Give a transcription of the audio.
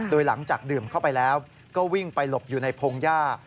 โดยหลังจากดื่มเข้าไปแล้วก็วิ่งไปหลบอยู่ในพงหญ้า